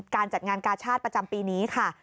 การจัดงานกาชาติประจำปีนี้ค่ะ